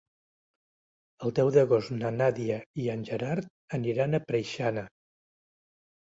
El deu d'agost na Nàdia i en Gerard aniran a Preixana.